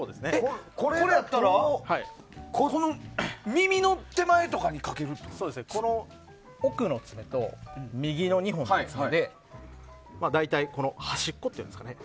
これやったらここの耳の手前とかに奥の爪と、右の２本の爪で大体、端っこっていうんですかね。